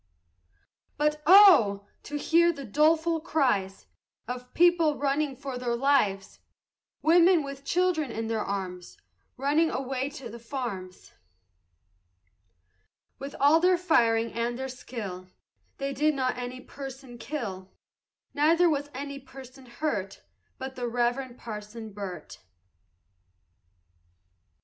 But oh! to hear the doleful cries Of people running for their lives! Women, with children in their arms, Running away to the farms! With all their firing and their skill They did not any person kill; Neither was any person hurt But the Reverend Parson Burt.